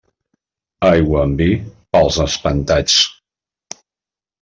Aigua amb vi, pels espantats.